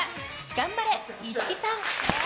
頑張れ、石木さん！